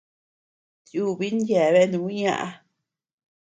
Tiubin yeabeanu ñaʼä.